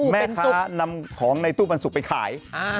แม่ค้านำของในตู้ปันสุกไปขาย